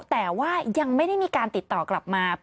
แต่ว่ายังไม่ได้มีการติดต่อกลับมา